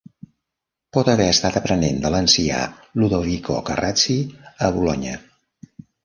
Pot haver estat aprenent de l'ancià Ludovico Carracci a Bolonya.